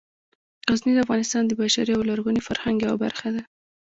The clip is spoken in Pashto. غزني د افغانستان د بشري او لرغوني فرهنګ یوه برخه ده.